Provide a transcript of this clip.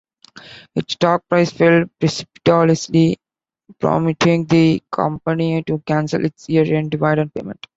Its stock price fell precipitously, prompting the company to cancel its year-end dividend payment.